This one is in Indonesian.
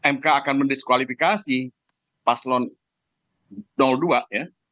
mk akan mendiskualifikasi paslon dua ya